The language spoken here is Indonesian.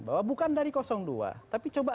bahwa bukan dari dua tapi coba